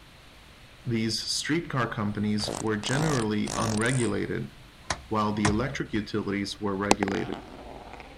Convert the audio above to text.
These streetcar companies were generally unregulated while the electric utilities were regulated.